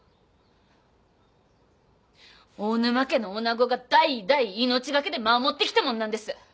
大沼家のおなごが代々命懸けで守ってきたもんなんです。